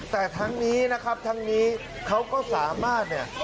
แต่ทั้งนี้ครั่งนี้เขาก็สามารถ